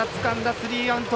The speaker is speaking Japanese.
スリーアウト。